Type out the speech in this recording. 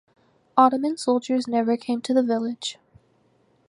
Ottoman soldiers never came to the village.